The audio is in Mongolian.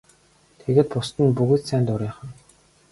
Тэгээд бусад нь бүгд сайн дурынхан.